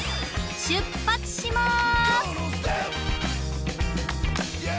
出発します！